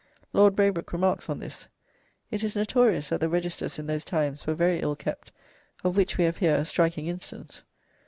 Lord Braybrooke remarks on this, "It is notorious that the registers in those times were very ill kept, of which we have here a striking instance....